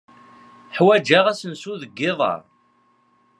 Ḥwajeɣ asensu deg yiḍ-a.